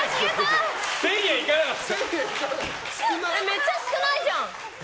めっちゃ少ないじゃん！